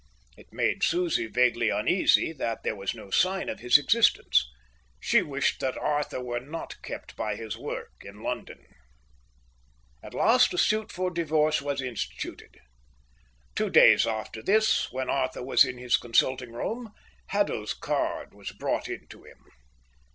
It made Susie vaguely uneasy that there was no sign of his existence. She wished that Arthur were not kept by his work in London. At last a suit for divorce was instituted. Two days after this, when Arthur was in his consultingroom, Haddo's card was brought to him.